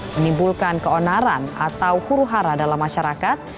menimbulkan keonaran atau huruhara dalam masyarakat